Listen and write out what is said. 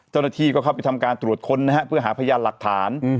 เจ้าหน้าที่ก็เข้าไปทำการตรวจค้นนะฮะเพื่อหาพยานหลักฐาน